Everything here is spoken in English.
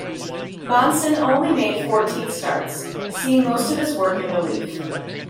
Bahnsen only made fourteen starts, seeing most of his work in relief.